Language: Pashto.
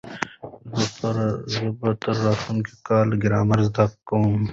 زه به تر راتلونکي کاله ګرامر زده کړم.